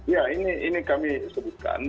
ya ini kami sebutkan